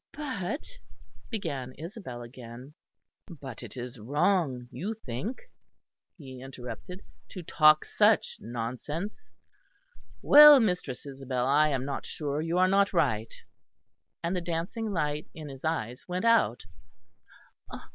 "But " began Isabel again. "But it is wrong, you think," he interrupted, "to talk such nonsense. Well, Mistress Isabel, I am not sure you are not right." And the dancing light in his eyes went out.